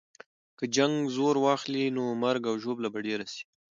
که جنګ زور واخلي، نو مرګ او ژوبله به ډېره سي.